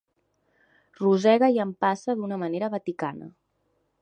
Rosega i empassa d'una manera vaticana.